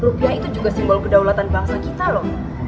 rupiah itu juga simbol kedaulatan bangsa kita loh